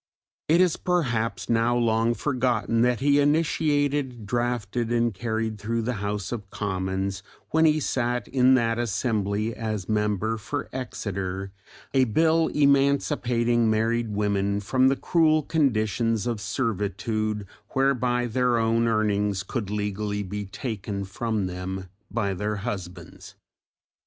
It is perhaps now long forgotten that he initiated, drafted and carried through the House of Commons when he sat in that assembly as member for Exeter a Bill emancipating married women from the cruel conditions of servitude whereby their own earnings could legally be taken from them by their husbands.